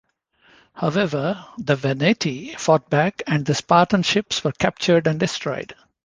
However, the Veneti fought back and the Spartan ships were captured and destroyed.